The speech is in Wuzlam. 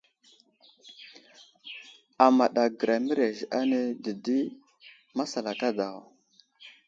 Amaɗ agəra mərez ane dədi masalaka daw.